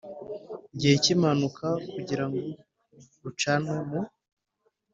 gihe cy impanuka kugira ngo rucanwe mu